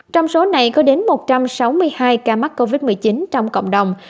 trong số này có đến một trăm sáu mươi hai ca mắc covid một mươi chín trong cộng đồng